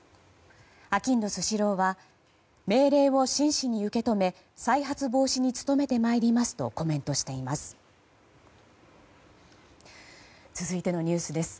あきんどスシローは命令を真摯に受け止め再発防止に努めてまいりますとコメントしています。